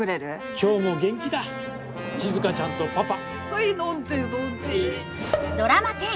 今日も元気だ静ちゃんとパパ。